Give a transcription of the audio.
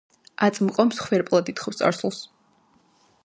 აწმყო მსხვერპლად ითხოვს წარსულს.